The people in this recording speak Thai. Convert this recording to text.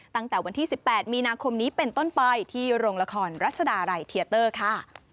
ตั้งแต่วันที่๑๘มีนาคมนี้เป็นต้นไปที่โรงละครรัชดาลัยเทียเตอร์ค่ะ